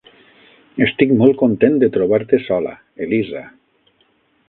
Estic molt content de trobar-te sola, Elisa!